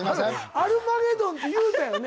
「アルマゲドン」って言うたよね？